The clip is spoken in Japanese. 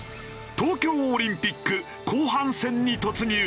東京オリンピック後半戦に突入！